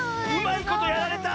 いことやられた！